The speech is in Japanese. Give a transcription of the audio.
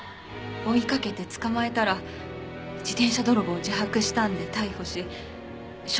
追いかけて捕まえたら自転車泥棒を自白したんで逮捕し書類送検しました。